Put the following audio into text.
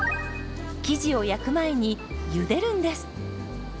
生地を焼く前にゆでるんです。